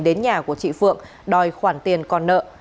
đến nhà của chị phượng đòi khoản tiền còn nợ